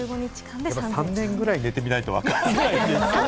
３年ぐらい寝てみないとわからないですけどね。